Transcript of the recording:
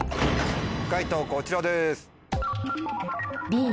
解答こちらです。